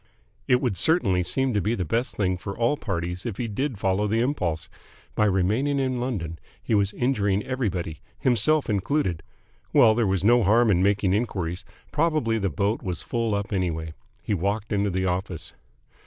It would certainly seem to be the best thing for all parties if he did follow the impulse. By remaining in London he was injuring everybody, himself included. ... Well, there was no harm in making enquiries. Probably the boat was full up anyway. ... He walked into the office.